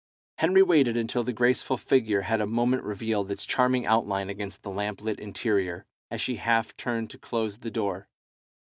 Henry waited until the graceful figure had a moment revealed its charming outline against the lamp lit interior, as she half turned to close the door.